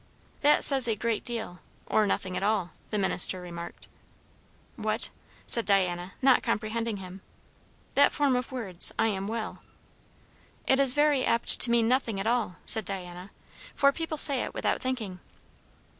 "That says a great deal or nothing at all," the minister remarked. "What?" said Diana, not comprehending him. "That form of words, 'I am well'." "It is very apt to mean nothing at all," said Diana, "for people say it without thinking."